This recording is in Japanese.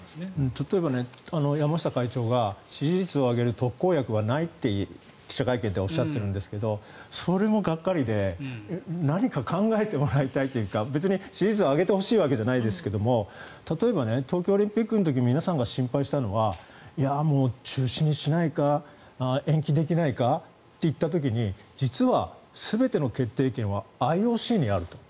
例えば山下会長が支持率を上げる特効薬はないって記者会見でおっしゃってるんですがそれもがっかりで何か考えてもらいたいというか別に支持率を上げてほしいわけじゃないですが例えば、東京オリンピックの時に皆さんが心配したのは中止にしないか延期できないかといった時に実は、全ての決定権はＩＯＣにあると。